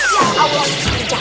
ya allah kerja